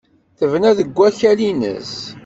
Tebna deg wakal-nnes.